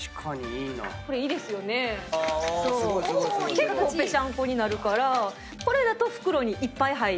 結構ペシャンコになるからこれだと袋にいっぱい入る。